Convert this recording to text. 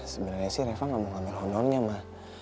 sebenernya sih reva gak mau ngambil honornya ma